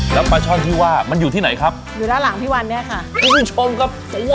แล้วปลาช่อนที่ว่ามันอยู่ที่ไหนครับอยู่ด้านหลังพี่วันเนี้ยค่ะคุณผู้ชมครับ